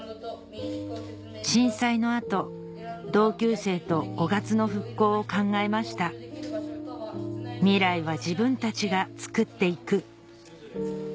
震災の後同級生と雄勝の復興を考えました「未来は自分たちがつくって行く」